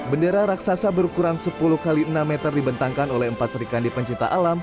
bendera raksasa berukuran sepuluh x enam meter dibentangkan oleh empat serikandi pencinta alam